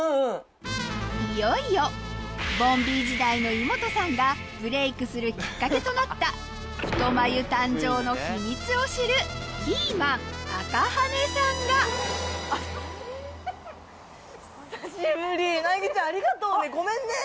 いよいよボンビー時代のイモトさんがとなった太眉誕生の秘密を知るキーマン赤羽さんがナギちゃんありがとうねごめんね。